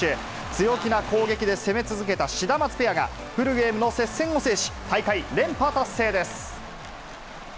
強気な攻撃で攻め続けたシダマツペアが、フルゲームの接戦を制し、大会連覇達成です。